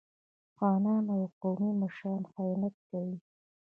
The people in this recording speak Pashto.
خانان او قومي مشران خیانت کوي.